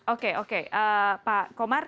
oke pak komar